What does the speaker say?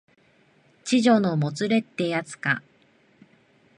痴情のもつれってやつか